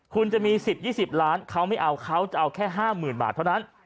คุณจะมี๑๐๒๐ล้านเขาไม่เอาเขาจะเอาแค่๕๐๐๐บาทเท่านั้น